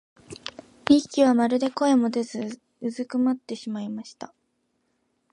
二疋はまるで声も出ず居すくまってしまいました。